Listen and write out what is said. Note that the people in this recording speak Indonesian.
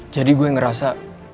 jadi gue ngerasa